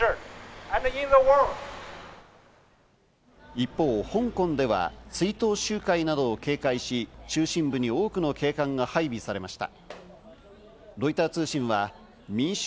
一方、香港では追悼集会などを警戒し、中心部に多くの警官が配備されました。